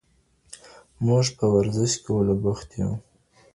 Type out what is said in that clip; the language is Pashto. موږ په ورزش کولو بوخت یو.